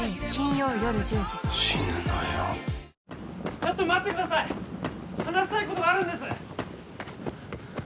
ちょっと待ってください話したいことがあるんです